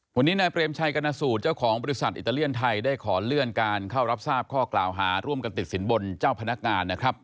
วันนี้นายเปรมชัยกรณสูตรเจ้าของบริษัทอิตาเลียนไทยได้ขอเลื่อนการเข้ารับทราบข้อกล่าวหาร่วมกันติดสินบนเจ้าพนักงานนะครับ